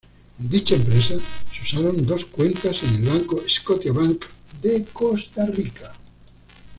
En dicha empresa se usaron dos cuentas en el banco ScotiaBank de Costa Rica.